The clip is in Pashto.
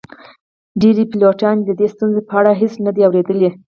ډیری پیلوټانو د دې ستونزو په اړه هیڅ نه دي اوریدلي